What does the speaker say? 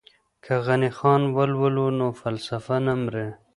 که غني خان ولولو نو فلسفه نه مري.